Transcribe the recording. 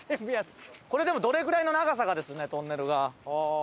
これでもどれぐらいの長さかですねトンネルが。